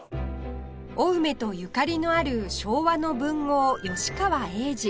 青梅とゆかりのある昭和の文豪吉川英治